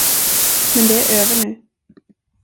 Men det är över nu.